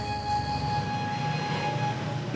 d luar kota